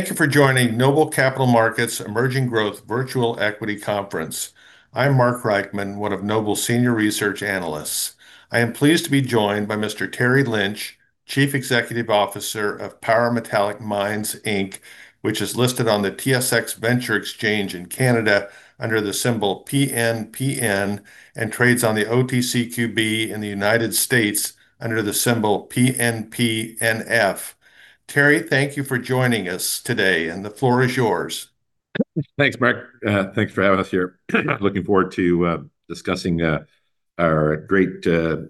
Thank you for joining Noble Capital Markets Emerging Growth Virtual Equity Conference. I'm Mark Reichman, one of Noble's Senior Research Analysts. I am pleased to be joined by Mr. Terry Lynch, Chief Executive Officer of Power Metallic Mines Inc., which is listed on the TSX Venture Exchange in Canada under the symbol PNPN, and trades on the OTCQB in the United States under the symbol PNPNF. Terry, thank you for joining us today, and the floor is yours. Thanks, Mark. Thanks for having us here. Looking forward to discussing our great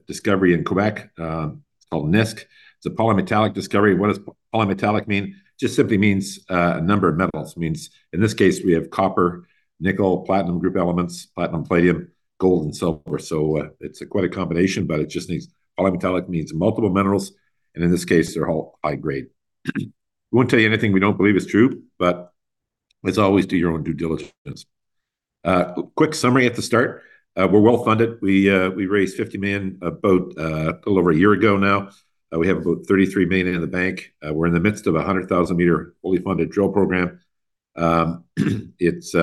discovery in Quebec, it's called NISK. It's a polymetallic discovery. What does polymetallic mean? Just simply means a number of metals. Means in this case, we have copper, nickel, platinum group elements, platinum, palladium, gold, and silver. So, it's quite a combination, but it just means, polymetallic means multiple minerals, and in this case, they're all high grade. We won't tell you anything we don't believe is true, but as always, do your own due diligence. Quick summary at the start. We're well-funded. We, we raised 50 million about a little over a year ago now. We have about 33 million in the bank. We're in the midst of a 100,000-meter fully funded drill program. It's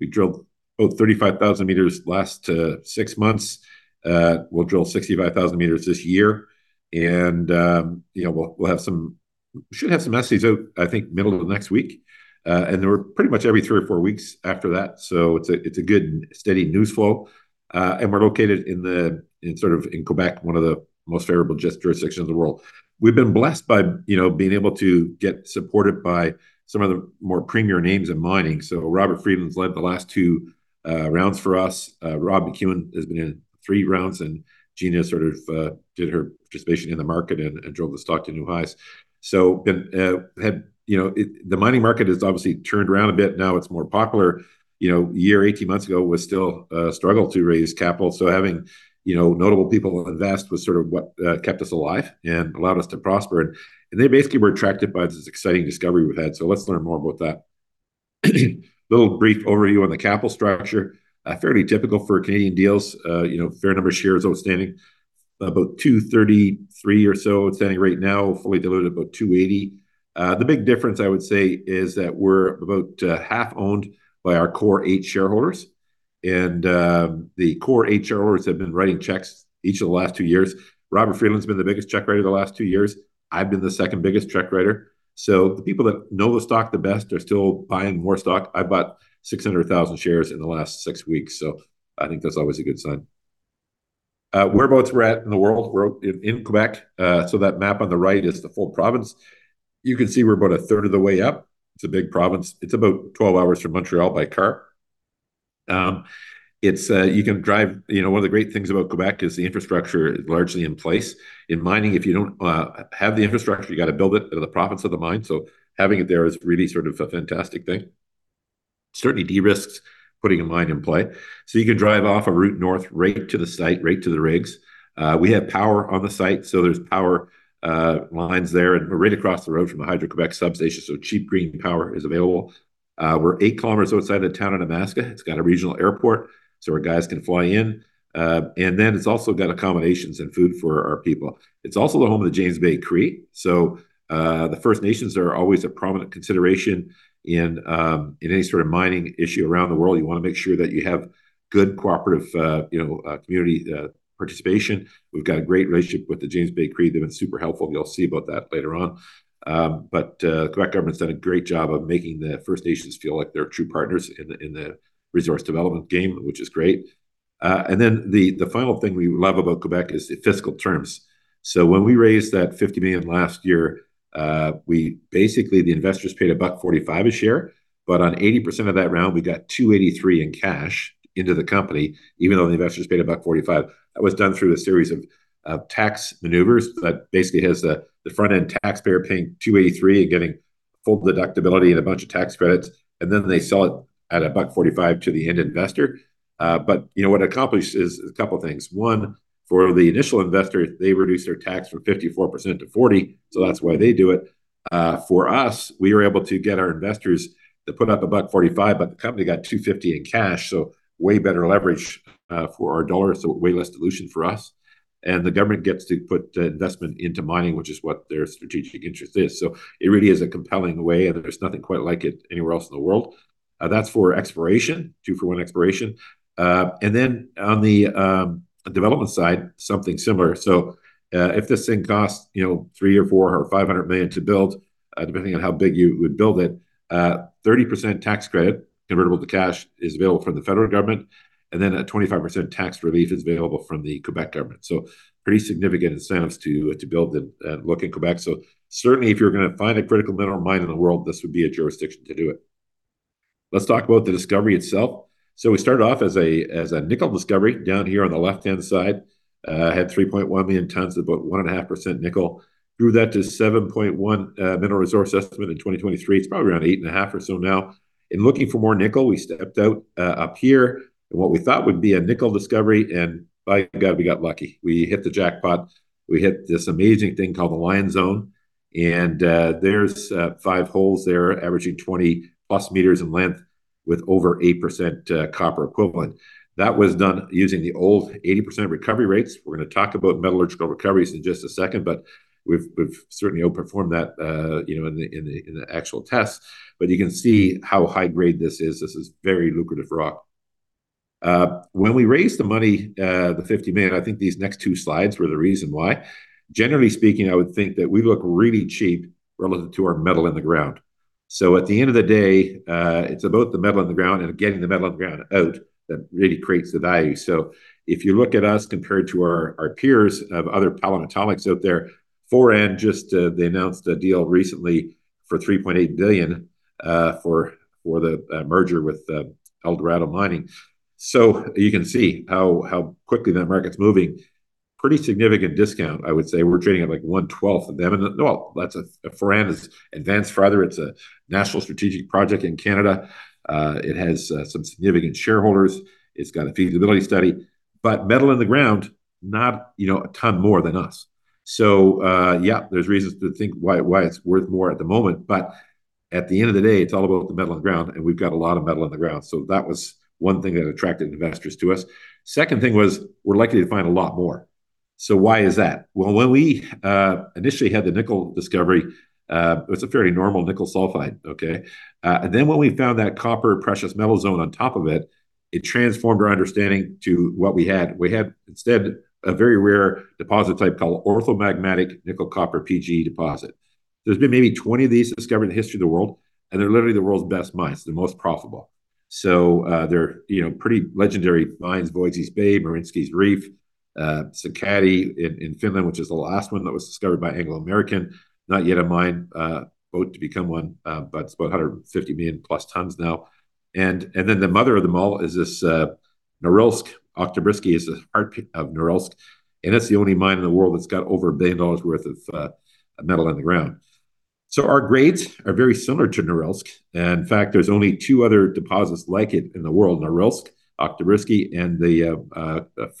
we drilled about 35,000 meters last six months. We'll drill 65,000 meters this year and, you know, we'll have some. We should have some messages out, I think, middle of next week. And then we're pretty much every three or four weeks after that, so it's a good steady news flow. And we're located in sort of in Quebec, one of the most favorable jurisdictions in the world. We've been blessed by, you know, being able to get supported by some of the more premier names in mining. So Robert Friedland's led the last two rounds for us. Rob McEwen has been in three rounds, and Gina sort of did her participation in the market and drove the stock to new highs. So been had, you know... The mining market has obviously turned around a bit, now it's more popular. You know, a year, 18 months ago, it was still a struggle to raise capital. Having, you know, notable people invest was sort of what kept us alive and allowed us to prosper. They basically were attracted by this exciting discovery we've had. Let's learn more about that. A little brief overview on the capital structure. Fairly typical for Canadian deals, you know, fair number of shares outstanding, about 233 or so outstanding right now, fully diluted, about 280. The big difference, I would say, is that we're about half owned by our core eight shareholders, and the core eight shareholders have been writing checks each of the last two years. Robert Friedland's been the biggest check writer the last two years. I've been the second biggest check writer. So the people that know the stock the best are still buying more stock. I bought 600,000 shares in the last six weeks, so I think that's always a good sign. Whereabouts we're at in the world, we're in Quebec. So that map on the right is the full province. You can see we're about a third of the way up. It's a big province. It's about 12 hours from Montreal by car. You know, one of the great things about Quebec is the infrastructure is largely in place. In mining, if you don't have the infrastructure, you got to build it in the province of the mine. So having it there is really sort of a fantastic thing. Certainly de-risks putting a mine in play. So you can drive off a route north, right to the site, right to the rigs. We have power on the site, so there's power, lines there and we're right across the road from the Hydro-Québec substation, so cheap green power is available. We're eight kilometers outside the town of Nemaska. It's got a regional airport, so our guys can fly in. And then it's also got accommodations and food for our people. It's also the home of the James Bay Cree. So, the First Nations are always a prominent consideration in, in any sort of mining issue around the world. You want to make sure that you have good cooperative, you know, community, participation. We've got a great relationship with the James Bay Cree. They've been super helpful. You'll see about that later on. But Quebec government's done a great job of making the First Nations feel like they're true partners in the resource development game, which is great. And then the final thing we love about Quebec is the fiscal terms. So when we raised that 50 million last year, we basically the investors paid 1.45 a share, but on 80% of that round, we got 2.83 in cash into the company, even though the investors paid 1.45. That was done through a series of tax maneuvers that basically has the front-end taxpayer paying 2.83 and getting full deductibility and a bunch of tax credits, and then they sell it at 1.45 to the end investor. But you know, what it accomplished is a couple of things. One, for the initial investor, they reduced their tax from 54% to 40%, so that's why they do it. For us, we were able to get our investors to put up 1.45, but the company got 2.50 in cash, so way better leverage, for our dollar, so way less dilution for us. And the government gets to put the investment into mining, which is what their strategic interest is. So it really is a compelling way, and there's nothing quite like it anywhere else in the world. That's for exploration, 2-for-1 exploration. And then on the, development side, something similar. So, if this thing costs, you know, 300 or 400 or 500 million to build, depending on how big you would build it, 30% tax credit convertible to cash is available from the federal government, and then a 25% tax relief is available from the Quebec government. So pretty significant incentives to build the, look in Quebec. So certainly, if you're gonna find a critical mineral mine in the world, this would be a jurisdiction to do it. Let's talk about the discovery itself. So we started off as a nickel discovery down here on the left-hand side. Had 3.1 million tons of about 1.5% nickel, grew that to 7.1, Mineral Resource Estimate in 2023. It's probably around 8.5 or so now. In looking for more nickel, we stepped out, up here, and what we thought would be a nickel discovery, and by God, we got lucky. We hit the jackpot. We hit this amazing thing called the Lion Zone, and, there's, five holes there, averaging 20+ meters in length, with over 8% copper equivalent. That was done using the old 80% recovery rates. We're gonna talk about metallurgical recoveries in just a second, but we've, we've certainly outperformed that, you know, in the, in the, in the actual test, but you can see how high grade this is. This is very lucrative rock. When we raised the money, the 50 million, I think these next two slides were the reason why. Generally speaking, I would think that we look really cheap relative to our metal in the ground. At the end of the day, it's about the metal in the ground and getting the metal in the ground out that really creates the value. So if you look at us compared to our peers of other polymetallics out there, Foran just they announced a deal recently for 3.8 billion for the merger with Eldorado Mining. So you can see how quickly that market's moving. Pretty significant discount, I would say. We're trading at, like, one-twelfth of them, and well, Foran is advanced further. It's a national strategic project in Canada. It has some significant shareholders. It's got a feasibility study, but metal in the ground, not, you know, a ton more than us. So, yeah, there's reasons to think why, why it's worth more at the moment, but at the end of the day, it's all about the metal in the ground, and we've got a lot of metal in the ground. So that was one thing that attracted investors to us. Second thing was, we're likely to find a lot more. So why is that? Well, when we initially had the nickel discovery, it was a very normal nickel sulfide, okay? And then, when we found that copper precious metal zone on top of it, it transformed our understanding to what we had. We had, instead, a very rare deposit type called orthomagmatic nickel copper PGE deposit. There's been maybe 20 of these discovered in the history of the world, and they're literally the world's best mines. They're the most profitable. So, they're, you know, pretty legendary mines, Voisey's Bay, Merensky Reef, Sakatti in Finland, which is the last one that was discovered by Anglo American. Not yet a mine, about to become one, but it's about 150 million+ tons now, and then the mother of them all is this Norilsk. Oktyabrsky is the heart of Norilsk, and that's the only mine in the world that's got over $1 billion worth of metal in the ground. So our grades are very similar to Norilsk, and in fact, there's only two other deposits like it in the world, Norilsk, Oktyabrsky, and the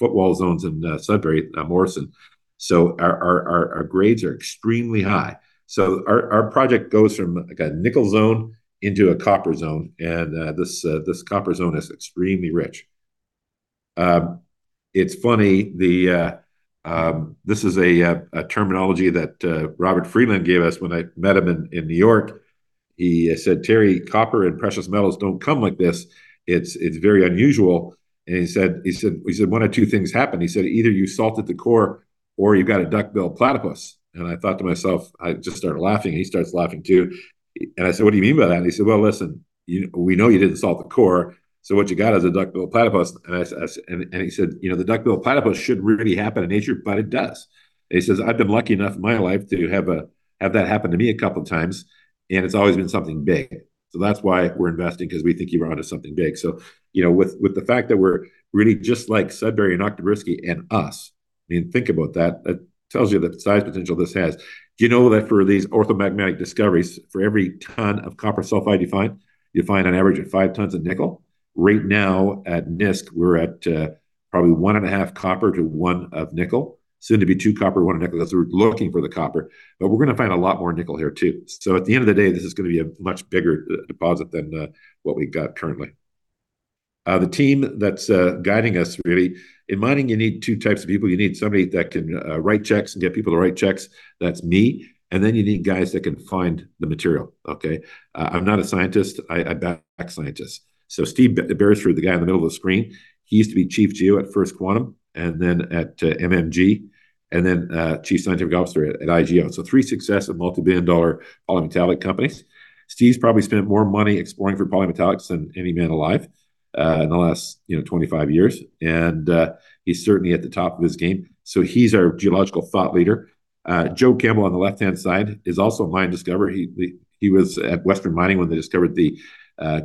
Footwall Zones in Sudbury, Morrison. So our grades are extremely high. So our project goes from, like, a nickel zone into a copper zone, and this copper zone is extremely rich. It's funny. This is a terminology that Robert Friedland gave us when I met him in New York. He said, "Terry, copper and precious metals don't come like this. It's, it's very unusual." And he said, he said, he said, "One of two things happened." He said, "Either you salted the core or you got a duck-billed platypus." And I thought to myself, I just started laughing, and he starts laughing, too. And I said, "What do you mean by that?" And he said, "Well, listen, you, we know you didn't salt the core, so what you got is a duck-billed platypus." And I said—and he said, "You know, the duck-billed platypus shouldn't really happen in nature, but it does." He says, "I've been lucky enough in my life to have have that happen to me a couple times, and it's always been something big. So that's why we're investing, 'cause we think you're onto something big." So, you know, with the fact that we're really just like Sudbury and Oktyabrsky and us, I mean, think about that. That tells you the size potential this has. Do you know that for these orthomagmatic discoveries, for every ton of copper sulfide you find, you find on average of five tons of nickel? Right now, at NISK, we're at probably 1.5 copper to 1 nickel. Soon to be 2 copper, 1 nickel, 'cause we're looking for the copper, but we're gonna find a lot more nickel here, too. So at the end of the day, this is gonna be a much bigger deposit than what we've got currently. The team that's guiding us, really, in mining, you need two types of people. You need somebody that can write checks and get people to write checks. That's me, and then you need guys that can find the material, okay? I'm not a scientist. I back scientists. So Steve Beresford, the guy in the middle of the screen, he used to be Chief Geo at First Quantum and then at MMG and then, Chief Scientific Officer at IGO, so three successes at multibillion-dollar polymetallic companies. Steve's probably spent more money exploring for polymetallics than any man alive, in the last, you know, 25 years, and, he's certainly at the top of his game. So he's our geological thought leader. Joe Campbell, on the left-hand side, is also a mine discoverer. He was at Western Mining when they discovered the,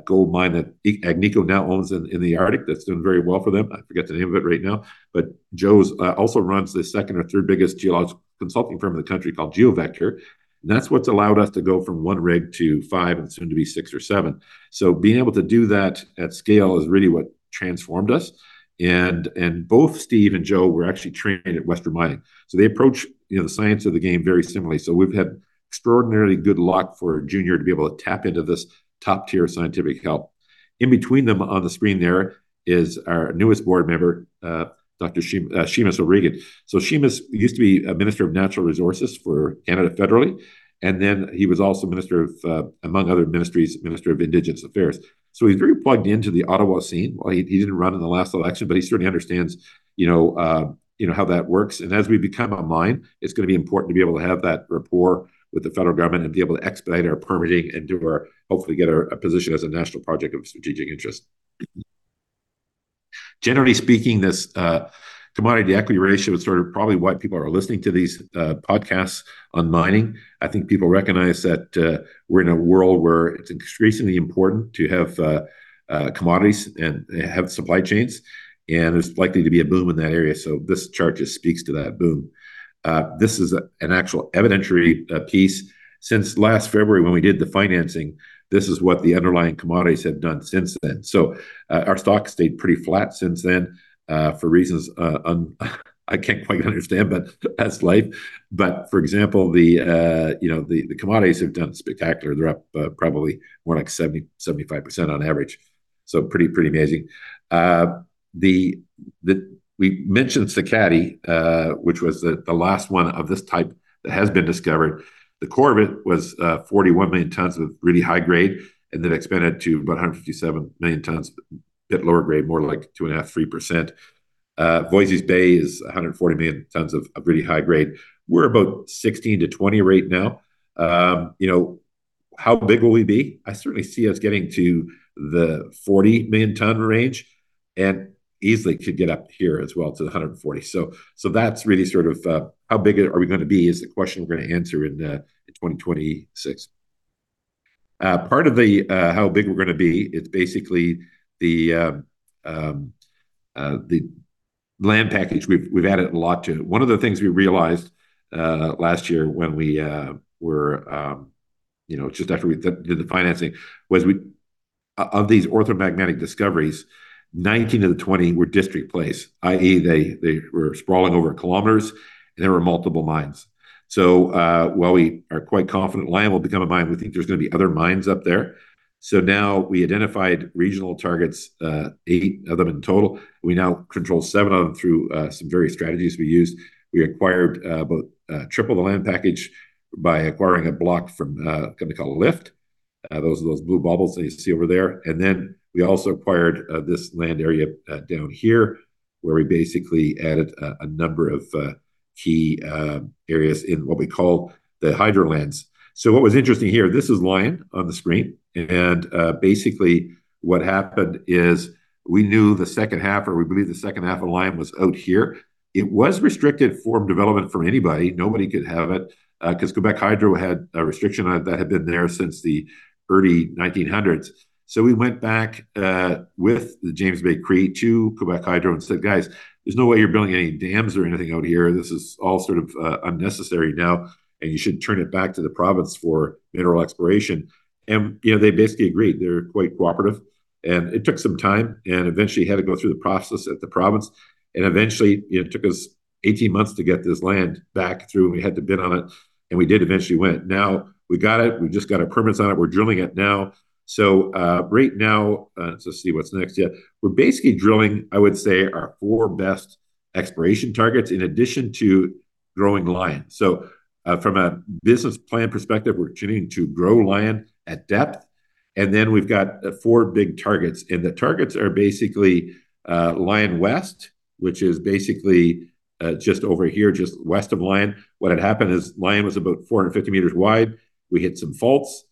gold mine that Agnico now owns in, in the Arctic that's doing very well for them. I forget the name of it right now, but Joe's also runs the second or third biggest geological consulting firm in the country called GeoVector. That's what's allowed us to go from one rig to five and soon to be six or seven. So being able to do that at scale is really what transformed us, and both Steve and Joe were actually trained at Western Mining, so they approach, you know, the science of the game very similarly. So we've had extraordinarily good luck for a junior to be able to tap into this top-tier scientific help. In between them on the screen there is our newest board member, Dr. Seamus O'Regan. So Seamus used to be a minister of natural resources for Canada federally, and then he was also minister of, among other ministries, minister of Indigenous Affairs. So he's very plugged into the Ottawa scene. Well, he didn't run in the last election, but he certainly understands, you know, you know, how that works, and as we become a mine, it's gonna be important to be able to have that rapport with the federal government and be able to expedite our permitting and do our hopefully get a position as a national project of strategic interest. Generally speaking, this commodity-to-equity ratio is sort of probably why people are listening to these podcasts on mining. I think people recognize that, we're in a world where it's increasingly important to have commodities and have supply chains, and there's likely to be a boom in that area, so this chart just speaks to that boom. This is an actual evidentiary piece. Since last February, when we did the financing, this is what the underlying commodities have done since then. So, our stock stayed pretty flat since then, for reasons, I can't quite understand, but that's life. But for example, you know, the commodities have done spectacular. They're up, probably more like 70-75% on average, so pretty, pretty amazing. We mentioned Sakatti, which was the last one of this type that has been discovered. The core of it was 41 million tons of really high grade, and that expanded to about 157 million tons, a bit lower grade, more like 2.5-3%. Voisey's Bay is 140 million tons of really high grade. We're about 16-20 right now. You know, how big will we be? I certainly see us getting to the 40 million ton range, and easily could get up here as well to the 140. So that's really sort of... How big are we gonna be, is the question we're gonna answer in 2026. Part of how big we're gonna be is basically the land package. We've added a lot to it. One of the things we realized last year when we were, you know, just after we did the financing, was of these orthomagmatic discoveries, 19 out of 20 were district plays, i.e., they were sprawling over kilometers, and there were multiple mines. So, while we are quite confident Lion will become a mine, we think there's gonna be other mines up there. So now we identified regional targets, eight of them in total. We now control seven of them through some various strategies we used. We acquired about triple the land package by acquiring a block from a company called Li-FT. Those are those blue bubbles that you see over there. And then we also acquired this land area down here, where we basically added a number of key areas in what we call the Hydro Lands. So what was interesting here, this is Lion on the screen, and basically, what happened is we knew the second half, or we believed the second half of Lion was out here. It was restricted for development from anybody. Nobody could have it, 'cause Hydro-Québec had a restriction on it that had been there since the early 1900s. So we went back, with the James Bay Cree to Hydro-Québec and said, "Guys, there's no way you're building any dams or anything out here. This is all sort of, unnecessary now, and you should turn it back to the province for mineral exploration." And, you know, they basically agreed. They're quite cooperative, and it took some time, and eventually had to go through the process at the province, and eventually, it took us 18 months to get this land back through, and we had to bid on it, and we did eventually win it. Now we got it. We've just got our permits on it. We're drilling it now. So, right now, so let's see what's next. Yeah, we're basically drilling, I would say, our four best exploration targets in addition to growing Lion. So, from a business plan perspective, we're continuing to grow Lion at depth, and then we've got four big targets, and the targets are basically, Lion West, which is basically, just over here, just west of Lion. What had happened is Lion was about 450 meters wide. We hit some faults,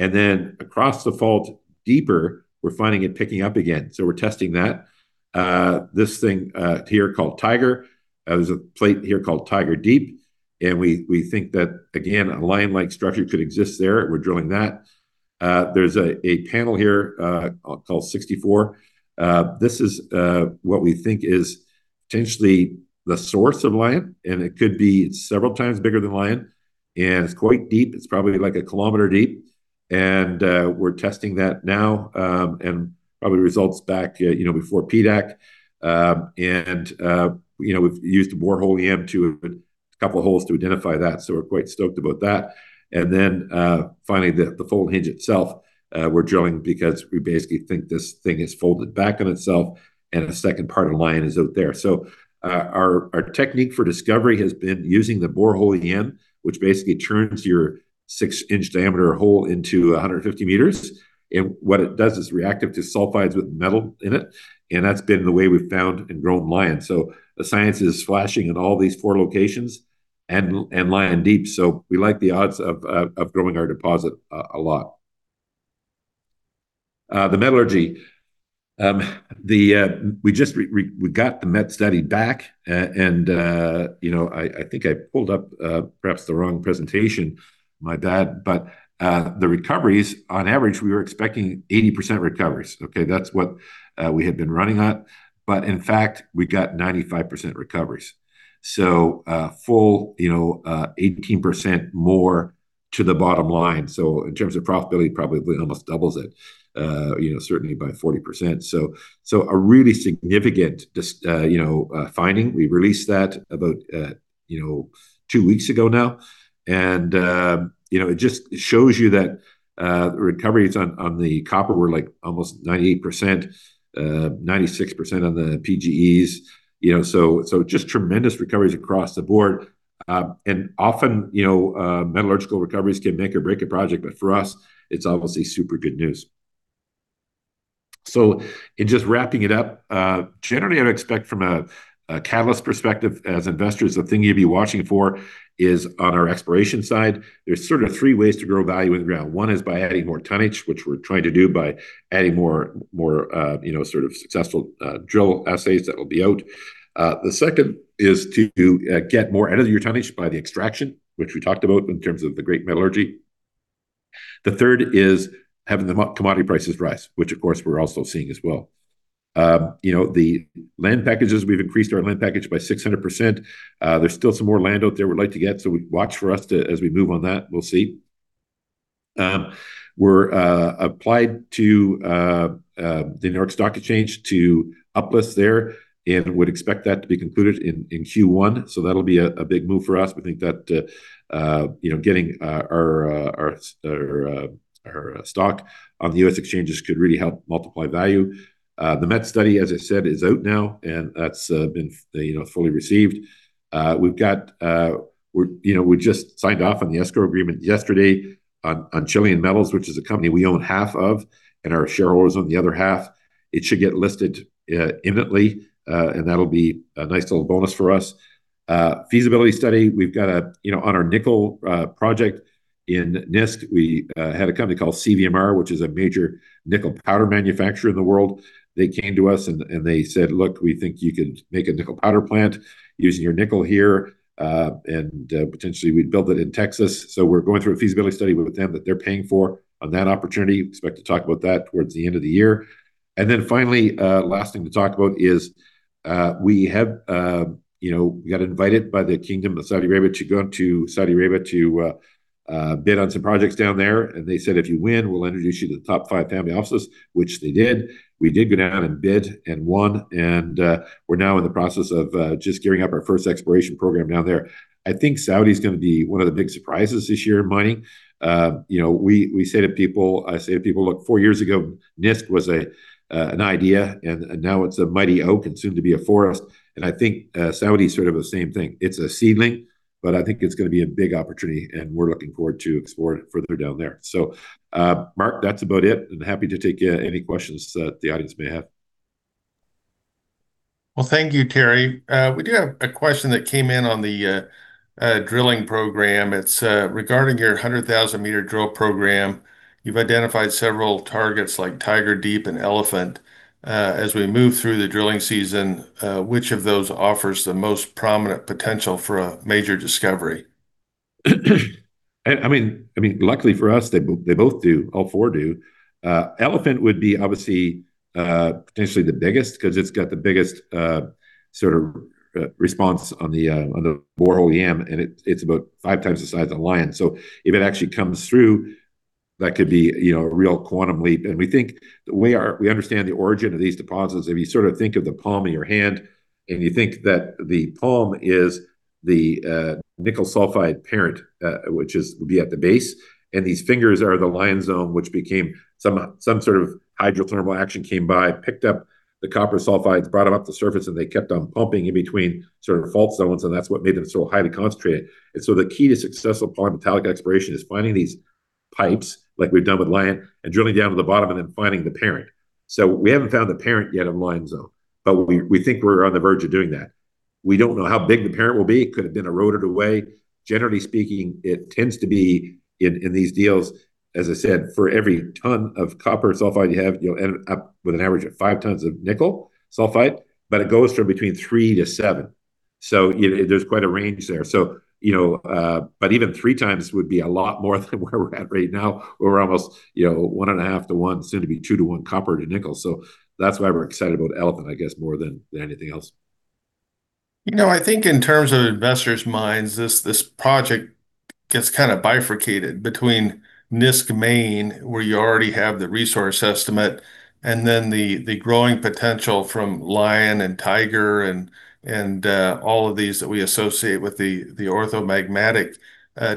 and then across the fault, deeper, we're finding it picking up again. So we're testing that. This thing, here called Tiger, there's a plate here called Tiger Deep, and we, we think that, again, a Lion-like structure could exist there, and we're drilling that. There's a, a panel here, called Sixty-Four. This is what we think is potentially the source of Lion, and it could be several times bigger than Lion, and it's quite deep. It's probably, like, a kilometer deep, and we're testing that now. And probably results back, you know, before PDAC. And you know, we've used the borehole EM to a couple of holes to identify that, so we're quite stoked about that. And then finally, the fold hinge itself, we're drilling because we basically think this thing is folded back on itself, and a second part of Lion is out there. So, our technique for discovery has been using the borehole EM, which basically turns your six-inch diameter hole into 150 meters, and what it does is reactive to sulfides with metal in it, and that's been the way we've found and grown Lion. So the science is flashing in all these four locations and Lion Deep, so we like the odds of growing our deposit a lot. The metallurgy. We just got the met study back, and you know, I think I pulled up perhaps the wrong presentation. My bad, but the recoveries, on average, we were expecting 80% recoveries. Okay, that's what we had been running at, but in fact, we got 95% recoveries. So, full, you know, 18% more to the bottom line. So in terms of profitability, probably almost doubles it, you know, certainly by 40%. So, so a really significant dis- you know, finding. We released that about, you know, 2 weeks ago now, and, you know, it just shows you that, the recoveries on, on the copper were, like, almost 98%, 96% on the PGEs, you know, so, so just tremendous recoveries across the board. And often, you know, metallurgical recoveries can make or break a project, but for us, it's obviously super good news. So in just wrapping it up, generally, I would expect from a, a catalyst perspective as investors, the thing you'd be watching for is on our exploration side. There's sort of three ways to grow value in the ground. One is by adding more tonnage, which we're trying to do by adding more, you know, sort of successful drill essays that will be out. The second is to get more out of your tonnage by the extraction, which we talked about in terms of the great metallurgy. The third is having the commodity prices rise, which of course, we're also seeing as well. You know, the land packages, we've increased our land package by 600%. There's still some more land out there we'd like to get, so watch for us to... as we move on that, we'll see. We're applied to the New York Stock Exchange to uplist there, and would expect that to be concluded in Q1, so that'll be a big move for us. We think that, you know, getting our stock on the U.S. exchanges could really help multiply value. The MET study, as I said, is out now, and that's, you know, fully received. We've got, we're, you know, we just signed off on the escrow agreement yesterday on Chilean Metals, which is a company we own half of, and our shareholders own the other half. It should get listed imminently, and that'll be a nice little bonus for us. Feasibility study, we've got a, you know, on our nickel project in NISK, we had a company called CVMR, which is a major nickel powder manufacturer in the world. They came to us and they said, "Look, we think you can make a nickel powder plant using your nickel here, and potentially we'd build it in Texas." So we're going through a feasibility study with them that they're paying for on that opportunity. Expect to talk about that towards the end of the year. Then finally, last thing to talk about is, we have... You know, we got invited by the Kingdom of Saudi Arabia to go to Saudi Arabia to bid on some projects down there, and they said, "If you win, we'll introduce you to the top five family offices," which they did. We did go down and bid and won, and we're now in the process of just gearing up our first exploration program down there. I think Saudi is gonna be one of the big surprises this year in mining. You know, we say to people, I say to people, "Look, four years ago, NISK was an idea, and now it's a mighty oak and soon to be a forest." And I think Saudi is sort of the same thing. It's a seedling, but I think it's gonna be a big opportunity, and we're looking forward to exploring it further down there. So, Mark, that's about it, and happy to take any questions that the audience may have. Well, thank you, Terry. We do have a question that came in on the drilling program. It's regarding your 100,000-meter drill program. You've identified several targets like Tiger Deep and Elephant. As we move through the drilling season, which of those offers the most prominent potential for a major discovery? I mean, luckily for us, they both do, all four do. Elephant would be obviously potentially the biggest, 'cause it's got the biggest sort of response on the borehole EM, and it's about five times the size of Lion. So if it actually comes through, that could be, you know, a real quantum leap. And we think we understand the origin of these deposits. If you sort of think of the palm of your hand, and you think that the palm is the nickel sulfide parent, which is would be at the base, and these fingers are the Lion Zone, which became some sort of hydrothermal action came by, picked up the copper sulfides, brought them up to the surface, and they kept on pumping in between sort of fault zones, and that's what made them so highly concentrated. And so the key to successful polymetallic exploration is finding these pipes, like we've done with Lion, and drilling down to the bottom and then finding the parent. So we haven't found the parent yet of Lion Zone, but we think we're on the verge of doing that. We don't know how big the parent will be. It could have been eroded away. Generally speaking, it tends to be in, in these deals, as I said, for every ton of copper sulfide you have, you'll end up with an average of 5 tons of nickel sulfide, but it goes from between 3-7. So, you know, there's quite a range there. So, you know, but even three times would be a lot more than where we're at right now, where we're almost, you know, 1.5:1, soon to be 2:1 copper to nickel. So that's why we're excited about Elephant, I guess, more than, than anything else. You know, I think in terms of investors' minds, this project gets kind of bifurcated between NISK Main, where you already have the resource estimate, and then the growing potential from Lion and Tiger and all of these that we associate with the orthomagmatic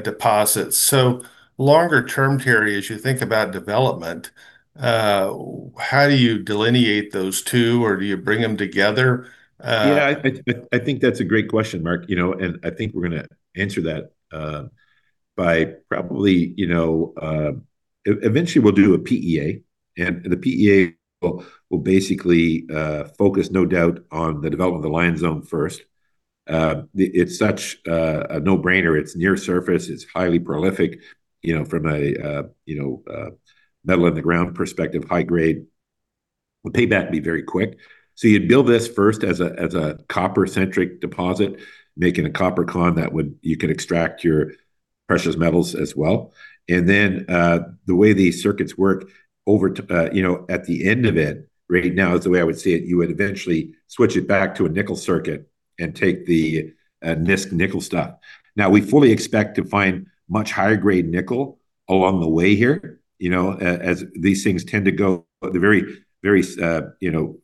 deposits. So longer term, Terry, as you think about development, how do you delineate those two, or do you bring them together? Yeah, I think that's a great question, Mark, you know, and I think we're gonna answer that by probably, you know... Eventually we'll do a PEA, and the PEA will basically focus no doubt on the development of the Lion Zone first. It's such a no-brainer. It's near surface, it's highly prolific, you know, from a metal-in-the-ground perspective, high grade. The payback would be very quick. So you'd build this first as a copper-centric deposit, making a copper con that would, you could extract your precious metals as well. And then, the way the circuits work over, you know, at the end of it, right now, is the way I would see it, you would eventually switch it back to a nickel circuit and take the NISK nickel stock. Now, we fully expect to find much higher grade nickel along the way here, you know, as these things tend to go, they're very, very, you know,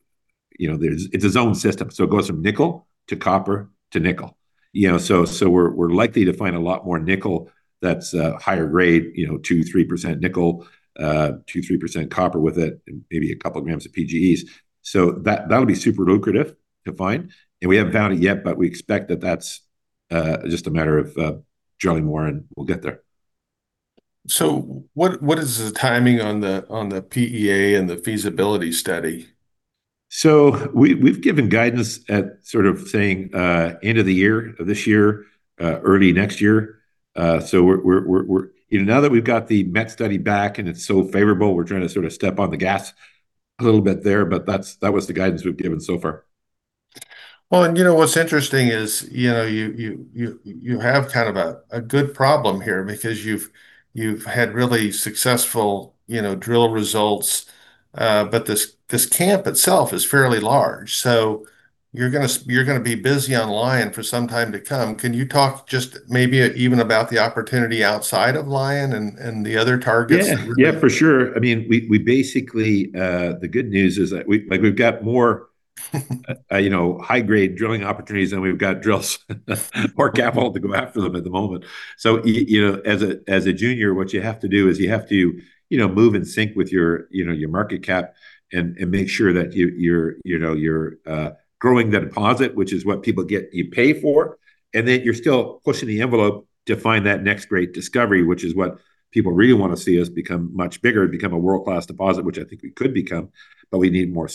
you know, there's-- it's a zone system, so it goes from nickel to copper to nickel. You know, so, so we're, we're likely to find a lot more nickel that's higher grade, you know, 2-3% nickel, 2-3% copper with it, and maybe a couple grams of PGEs. So that would be super lucrative to find. And we haven't found it yet, but we expect that that's just a matter of drilling more, and we'll get there. So what is the timing on the PEA and the feasibility study? So we've given guidance, sort of saying end of the year, this year, so we're you know, now that we've got the MET study back and it's so favorable, we're trying to sort of step on the gas a little bit there, but that was the guidance we've given so far. Well, and you know, what's interesting is, you know, you have kind of a good problem here because you've had really successful, you know, drill results. But this camp itself is fairly large, so you're gonna be busy on Lion for some time to come. Can you talk just maybe even about the opportunity outside of Lion and the other targets? Yeah. Yeah, for sure. I mean, we basically. The good news is that we, like, we've got more high-grade drilling opportunities than we've got drills, or capital to go after them at the moment. So you know, as a junior, what you have to do is you have to, you know, move in sync with your, you know, your market cap and make sure that you're, you know, you're growing the deposit, which is what people get paid for, and that you're still pushing the envelope to find that next great discovery, which is what people really want to see us become much bigger and become a world-class deposit, which I think we could become, but we need more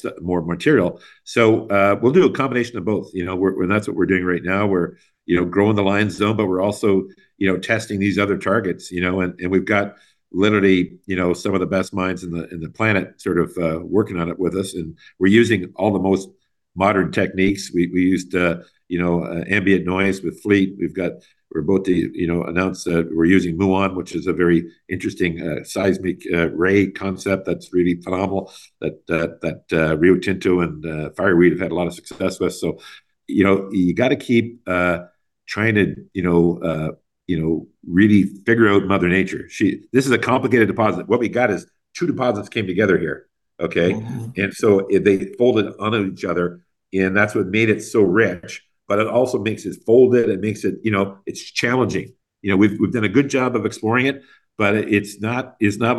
material. So we'll do a combination of both, you know? And that's what we're doing right now. We're, you know, growing the Lion Zone, but we're also, you know, testing these other targets, you know, and we've got literally, you know, some of the best minds in the planet sort of working on it with us, and we're using all the most modern techniques. We used, you know, ambient noise with Fleet. We're about to, you know, announce that we're using Muon, which is a very interesting seismic ray concept that's really phenomenal, that Rio Tinto and Fireweed have had a lot of success with. So, you know, you gotta keep trying to, you know, really figure out Mother Nature. She this is a complicated deposit. What we got is two deposits came together here, okay? Mm-hmm. So they folded on each other, and that's what made it so rich, but it also makes it folded and makes it, you know. It's challenging. You know, we've done a good job of exploring it, but it's not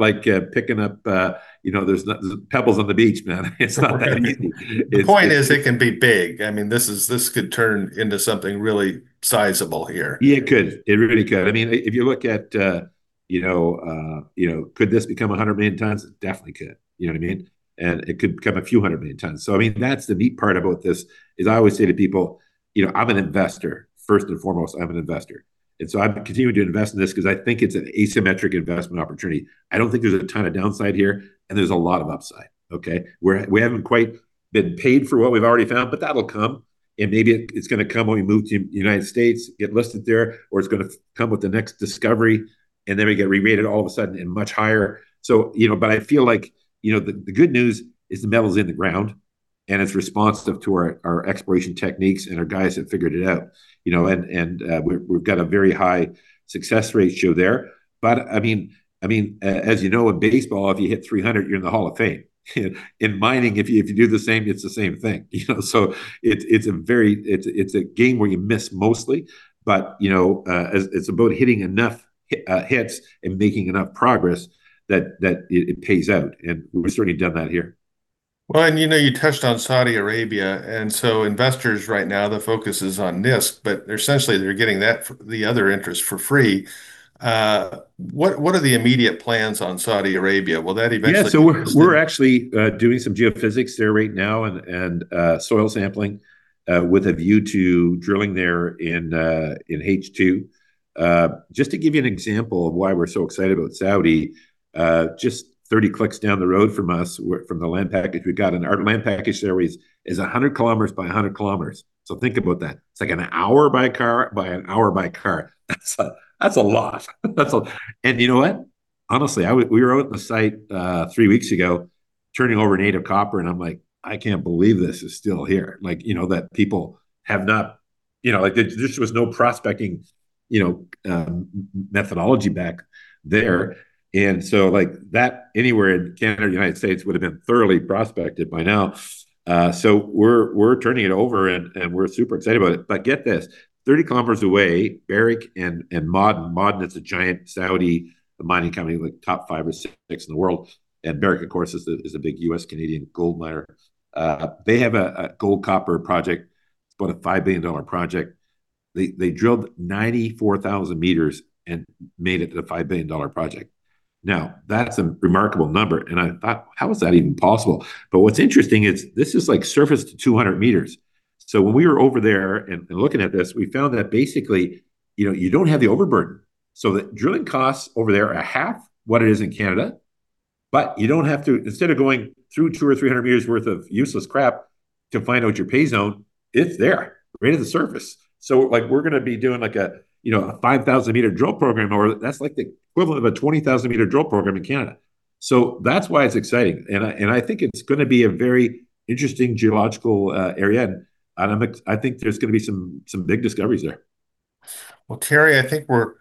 like picking up, you know, there's pebbles on the beach, man. It's not that easy. It's- The point is, it can be big. I mean, this is, this could turn into something really sizable here. Yeah, it could. It really could. I mean, if you look at, you know, you know, could this become 100 million tons? It definitely could, you know what I mean? And it could become a few hundred million tons. So, I mean, that's the neat part about this, is I always say to people, "You know, I'm an investor. First and foremost, I'm an investor." And so I'm continuing to invest in this, 'cause I think it's an asymmetric investment opportunity. I don't think there's a ton of downside here, and there's a lot of upside, okay? We haven't quite been paid for what we've already found, but that'll come, and maybe it's gonna come when we move to the United States, get listed there, or it's gonna come with the next discovery, and then we get re-rated all of a sudden and much higher. So, you know, but I feel like, you know, the good news is the metal's in the ground, and it's responsive to our exploration techniques and our guys have figured it out, you know. And we've got a very high success rate shown there. But I mean, as you know, in baseball, if you hit .300, you're in the Hall of Fame. In mining, if you do the same, it's the same thing, you know? So it's a game where you miss mostly, but, you know, it's about hitting enough hits and making enough progress that it pays out, and we've certainly done that here. Well, you know, you touched on Saudi Arabia, and so investors right now, the focus is on this, but essentially they're getting that for- the other interest for free. What are the immediate plans on Saudi Arabia? Will that eventually- Yeah, so we're actually doing some geophysics there right now and soil sampling with a view to drilling there in H2. Just to give you an example of why we're so excited about Saudi, just 30 clicks down the road from us, from the land package we've got, and our land package there is 100 km by 100 km. So think about that. It's like an hour by car, by an hour by car. That's a lot. And you know what? Honestly, we were out at the site three weeks ago, turning over native copper, and I'm like, "I can't believe this is still here." Like, you know, that people have not... You know, like, there was no prospecting, you know, methodology back there. And so, like, that anywhere in Canada or United States would've been thoroughly prospected by now. So we're turning it over, and we're super excited about it. But get this, 30 kilometers away, Barrick and Ma’aden, Ma’aden is a giant Saudi mining company, like top five or six in the world, and Barrick, of course, is a big US-Canadian gold miner. They have a gold copper project. It's about a $5 billion project. They drilled 94,000 meters and made it to the $5 billion project. Now, that's a remarkable number, and I thought, "How is that even possible?" But what's interesting is this is like surface to 200 meters. So when we were over there and looking at this, we found that basically, you know, you don't have the overburden, so the drilling costs over there are half what it is in Canada, but you don't have to instead of going through 200 or 300 meters worth of useless crap to find out your pay zone, it's there, right at the surface. So, like, we're gonna be doing like a, you know, a 5,000-meter drill program, or that's like the equivalent of a 20,000-meter drill program in Canada. So that's why it's exciting, and I think it's gonna be a very interesting geological area, and I think there's gonna be some big discoveries there. Well, Terry, I think we're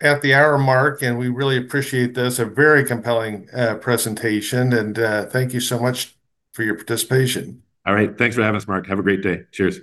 at the hour mark, and we really appreciate this. A very compelling presentation, and thank you so much for your participation. All right. Thanks for having us, Mark. Have a great day. Cheers.